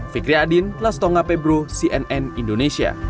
fikri adin lastonga pebro cnn indonesia